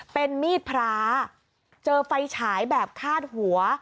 เป็นมีดพระเจอไฟฉายแบบคาดหัว